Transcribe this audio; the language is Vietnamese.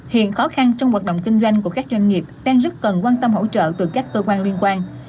hiện khó khăn trong hoạt động kinh doanh của các doanh nghiệp đang rất cần quan tâm hỗ trợ từ các cơ quan liên quan